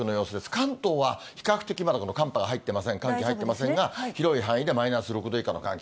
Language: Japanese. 関東は比較的、まだ、この寒波が入ってません、寒気入ってませんが、広い範囲でマイナス６度以下の寒気。